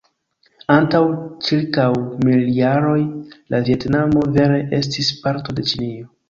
Antaŭ ĉirkaŭ mil jaroj, la Vjetnamo vere estis parto de Ĉinio.